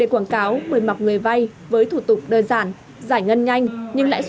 để quảng cáo mười mọc người vay với thủ tục đơn giản giải ngân nhanh nhưng lãi suất cao